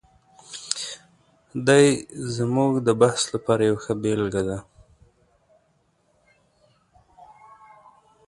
دی زموږ د بحث لپاره یوه ښه بېلګه ده.